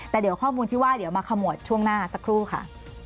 แต่เดี๋ยวข้อมูลที่ว่าเดี๋ยวมาขมวดช่วงหน้าสักครู่ค่ะ